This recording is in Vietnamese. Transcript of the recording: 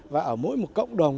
và ở mỗi một cộng đồng